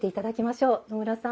野村さん